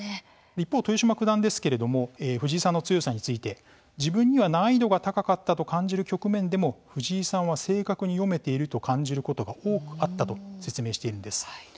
一方の豊島九段ですけれども藤井さんの強さについて自分には難易度が高かったと感じる局面でも藤井さんは正確に読めていると感じることが多くあったと説明しているんです。